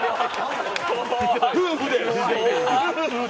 夫婦で！